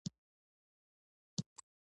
وخت پر وخت مهارتونه تازه کول اړین دي.